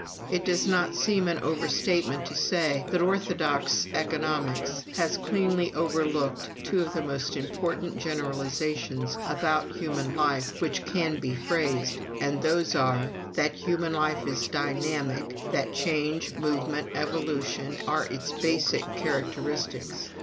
It does not seem an overstatement to say that orthodox economics has cleanly overlooked two of the most important generalizations about human life which can be phrased, and those are, "That human life is dynamic, that change, movement, evolution, are its basic characteristics.